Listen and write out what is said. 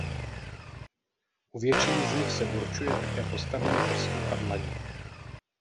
U většiny z nich se určuje také postavení prstů a dlaně.